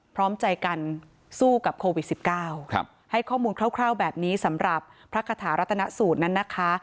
พร้อมใจกันสู้กับโควิด๑๙ให้ข้อมูลคร่าวแบบนี้สำหรับพระคาถารัตนสูตรนั้นนะคะ